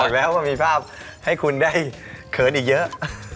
แล้วก็มีภาพให้คุณได้เขินอีกเยอะ